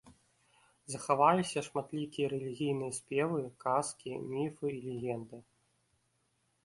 Захаваліся шматлікія рэлігійныя спевы, казкі, міфы і легенды.